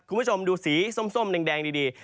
คุณผู้ชมดูสีส้มแดงดี